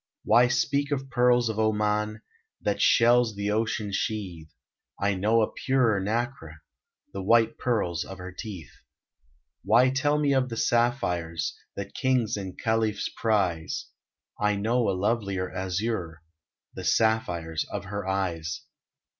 Why speak of pearls of Oman That shells of ocean sheathe? I know a purer nacre, The white pearls of her teeth. Why tell me of the sapphires That Kings and Khalifs prize? I know a lovelier azure, The sapphires of her eyes.